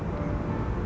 ya udah mending